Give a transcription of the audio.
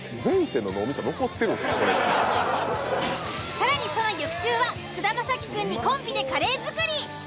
更にその翌週は菅田将暉くんにコンビでカレー作り。